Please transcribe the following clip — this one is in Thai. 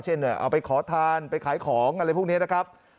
เอาไปขอทานไปขายของอะไรพวกนี้นะครับ